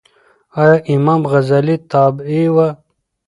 ایا امام غزالې تابعې وه؟